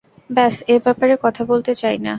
ব্যস এ ব্যাপারে কথা বলতে চাই না।